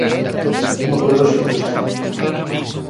Unha poderosa imaxe.